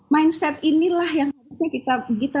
mindset inilah yang harusnya kita